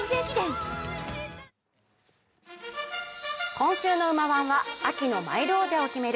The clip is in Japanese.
今週の「うま☆わん」は秋のマイル王者を決める